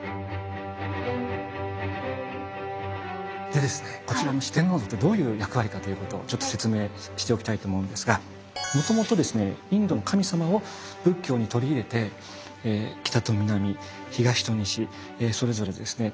でですねこちらの四天王像ってどういう役割かということをちょっと説明しておきたいと思うんですがもともとですねインドの神様を仏教に取り入れて北と南東と西それぞれですね